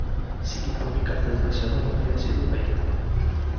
Psikikoki kaltetuta zegoela adierazi du epaiketan.